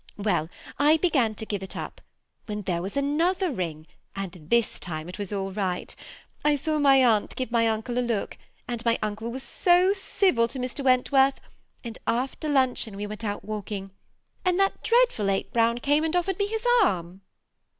Well, I began to give it up, when there was another ring, and this time it was all right. I saw my aunt give my uncle a look, and my uncle was so civil < to Mr. Wentworth ; and after luncheon we went out walking, and thaet dreadful Ape Brown came and offered me his arm."